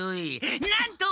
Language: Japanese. なんと！